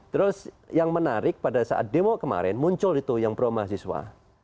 terus yang menarik pada saat demo kemarin muncul itu yang pro mahasiswa